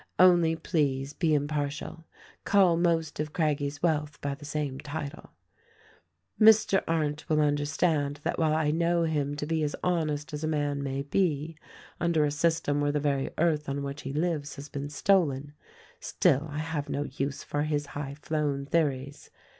Only, please, be impartial : call most of Craggie's wealth by the same title. "Mr. Arndt will understand that while I know him to be as honest as a man may be under a system where the very earth on which he lives has been stolen, still I have no use for his high flown theories.